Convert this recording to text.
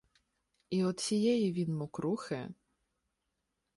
І од сієї він мокрухи